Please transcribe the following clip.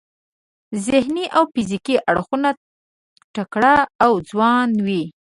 ذهني او فزیکي اړخه تکړه او ځوان وي.